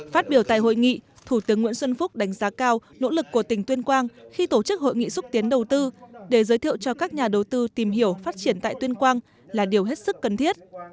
phát biểu tại hội nghị thủ tướng nguyễn xuân phúc đánh giá cao nỗ lực của tỉnh tuyên quang khi tổ chức hội nghị xúc tiến đầu tư để giới thiệu cho các nhà đầu tư tìm hiểu phát triển tại tuyên quang là điều hết sức cần thiết